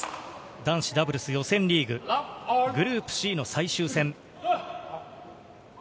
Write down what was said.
男子ダブルス予選リーグ、グループＣの最終戦。